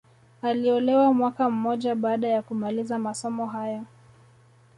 Aliolewa mwaka mmoja baada ya kumaliza masomo hayo